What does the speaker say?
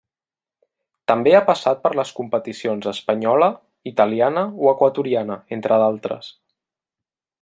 També ha passat per les competicions espanyola, italiana o equatoriana, entre d'altres.